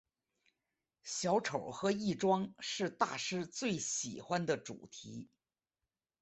小丑和易装是大师最喜欢的主题。